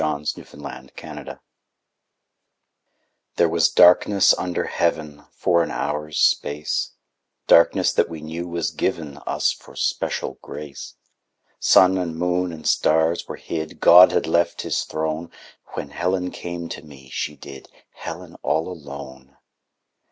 'HELEN ALL ALONE' There was darkness under Heaven For an hour's space Darkness that we knew was given Us for special grace. Sun and moon and stars were hid, God had left His Throne, When Helen came to me, she did, Helen all alone!